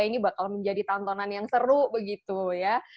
ini bakal menjadi tontonan yang seru begitu ya